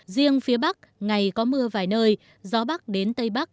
riêng phía bắc ngày có mưa vài nơi gió bắc đến tây bắc